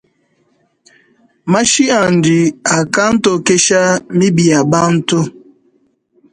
Mashi andi akantokesha mibi ya bantu.